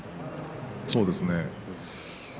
そうですね。